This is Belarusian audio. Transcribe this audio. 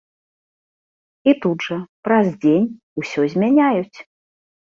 І тут жа, праз дзень, усё змяняюць.